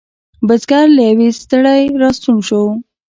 بزگر له یویې ستړی را ستون شو.